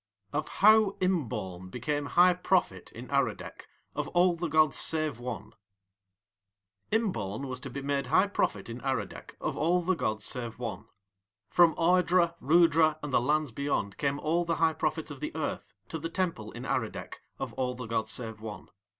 OF HOW IMBAUN BECAME HIGH PROPHET IN ARADEC OF ALL THE GODS SAVE ONE Imbaun was to be made High Prophet in Aradec, of All the Gods save One. From Ardra, Rhoodra, and the lands beyond came all High Prophets of the Earth to the Temple in Aradec of All the gods save One.